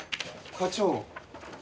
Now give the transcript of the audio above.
課長。